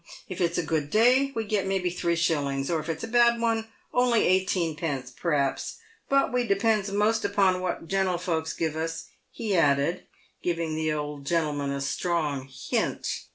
If it's a good day, we get maybe three shillings, or if it's a bad one, only eighteenpence, per'aps ; but we depends most upon what gentlefolks give us," he added, giving the old gentleman a strong hint.